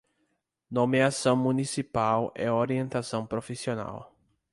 Nomeação municipal é orientação profissional